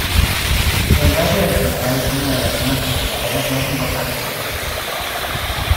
El valle del General es una de las zonas cafetaleras más importantes del país.